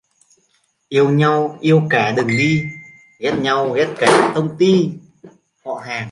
Yêu nhau yêu cả đường đi, ghét nhau ghét cả tông chi họ hàng